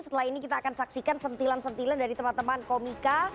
setelah ini kita akan saksikan sentilan sentilan dari teman teman komika